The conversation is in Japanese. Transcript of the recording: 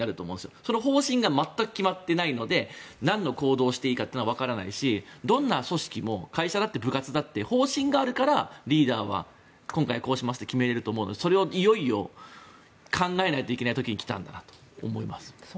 その方針が全く決まっていないのでなんの行動をしていいのかがわからないしどんな組織も会社だって部活だって方針があるからリーダーはこうしますと決められるのでそれをいよいよ考えないといけない時に来たんだなと思います。